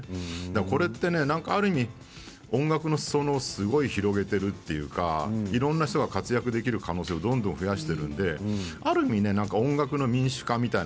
これってある意味、音楽のすそ野をすごく広げているというかいろんな人が活躍できる可能性をどんどん増やしているのである意味、音楽の民主化みたいな